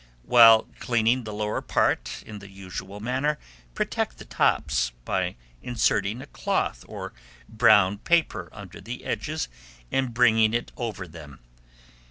While cleaning the lower part in the usual manner, protect the tops, by inserting a cloth or brown paper under the edges and bringing it over them.